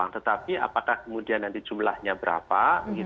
tetapi apakah kemudian nanti jumlahnya berapa